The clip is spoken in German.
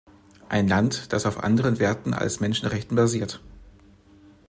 Ein Land, das auf anderen Werten als Menschenrechten basiert.